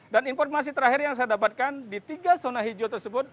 dan informasi terakhir yang saya dapatkan di tiga zona hijau tersebut